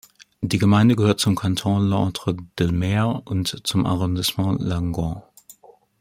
Die Gemeinde gehört zum Kanton L’Entre-deux-Mers und zum Arrondissement Langon.